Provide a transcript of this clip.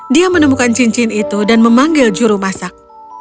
dia menemukan cincin itu dan memanggil juru masak